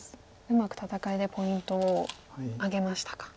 うまく戦いでポイントを挙げましたか。